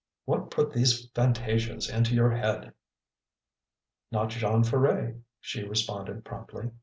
"What put these fantasias into your head?" "Not Jean Ferret," she responded promptly.